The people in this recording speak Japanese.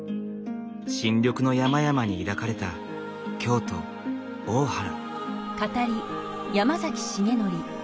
新緑の山々に抱かれた京都・大原。